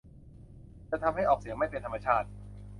จะทำให้ออกเสียงไม่เป็นธรรมชาติ